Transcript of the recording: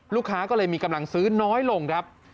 ลูกค้าก็เลยมีกำลังซื้อน้อยลงครับ